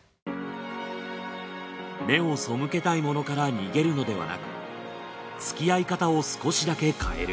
目を背けたいものから逃げるのではなくつきあい方を少しだけ変える。